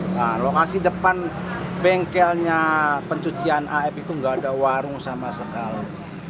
nah lokasi depan bengkelnya pencucian af itu nggak ada warung sama sekali